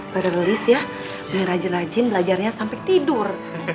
pada rilis ya punya rajin rajin belajarnya sampe tidur